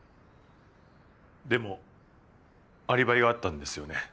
でもアリバイがあったんですよね。